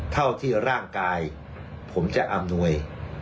เท่าที่ร่างกายผมจะอำนวย